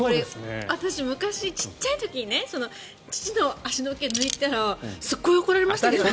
私、昔、小さい時父の足の毛を抜いたらすっごい怒られましたけどね。